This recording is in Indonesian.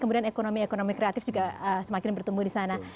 kemudian ekonomi ekonomi kreatif juga semakin bertumbuh disana